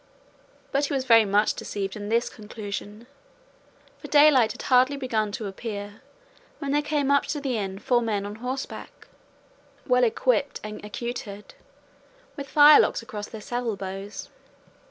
But he was very much deceived in this conclusion, for daylight had hardly begun to appear when there came up to the inn four men on horseback, well equipped and accoutred, with firelocks across their saddle bows.